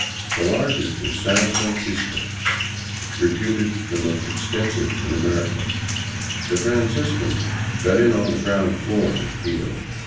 The largest is San Fran cisco, reputed the most extensive in America. The Franciscans got in on the ground floor in Quito.